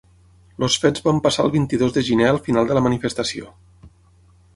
Els fets van passar el vint-i-dos de gener al final de la manifestació.